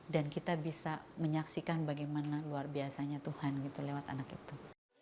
dan kita bisa menyaksikan bagaimana luar biasanya tuhan lewat anak itu